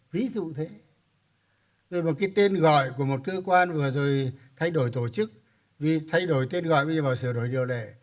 ví dụ thế rồi một cái tên gọi của một cơ quan vừa rồi thay đổi tổ chức thay đổi tên gọi bây giờ sửa đổi điều lệ